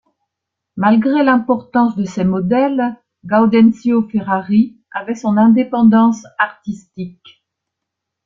Malgré l'importance de ses modèles, Gaudenzio Ferrari avait son indépendance artistique.